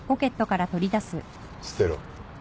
捨てろ。